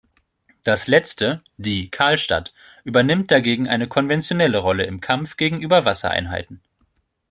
Das letzte, die "Karlstad", übernimmt dagegen eine konventionelle Rolle im Kampf gegen Überwassereinheiten.